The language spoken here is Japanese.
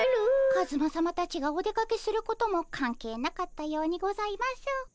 カズマさまたちがお出かけすることも関係なかったようにございます。